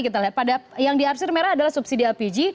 kita lihat pada yang diarsir merah adalah subsidi lpg